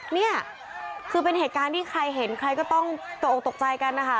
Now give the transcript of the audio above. นี่คือเป็นเหตุการณ์ที่ใครเห็นใครก็ต้องตกออกตกใจกันนะคะ